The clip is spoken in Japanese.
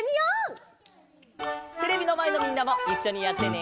テレビのまえのみんなもいっしょにやってね！